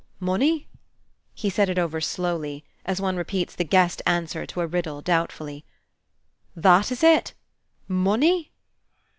"Money?" He said it over slowly, as one repeats the guessed answer to a riddle, doubtfully. "That is it? Money?"